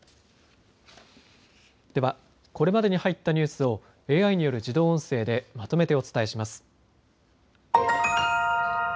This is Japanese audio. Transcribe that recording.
ではこれまでに入ったニュースをＡＩによる自動音声でまとめてお伝えします。